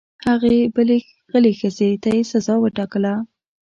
هغې بلې غلې ښځې ته یې سزا وټاکله.